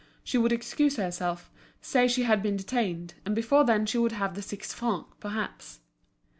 She would excuse herself, say she had been detained, and before then she would have the six francs, perhaps.